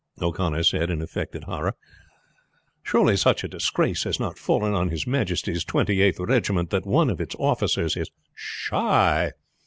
O'Connor said in affected horror. "Surely such a disgrace has not fallen on his majesty's Twenty eighth Regiment that one of its officers is shy?